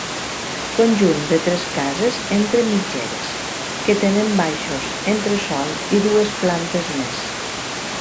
Conjunt de tres cases entre mitgeres, que tenen baixos, entresòl i dues plantes més.